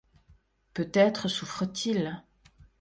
Peut-être souffre-t-il